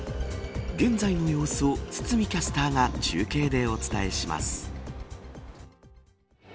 現在の様子を堤キャスターが中継でお伝えします。